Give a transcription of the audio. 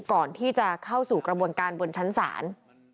ก่อนที่จะเข้าสู่กระบวนการบนชั้นศาล